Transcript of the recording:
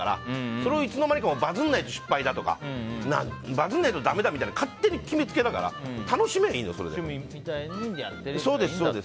それがいつの間にかバズんないと失敗だとかバズんないとダメだみたいな勝手に決めつけだから楽しめればいいのよ。